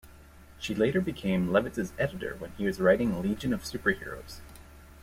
She later became Levitz's editor when he was writing "Legion of Super-Heroes".